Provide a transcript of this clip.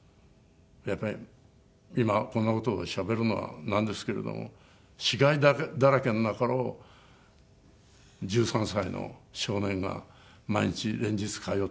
やっぱり今こんな事をしゃべるのはなんですけれども死骸だらけの中を１３歳の少年が毎日連日通った。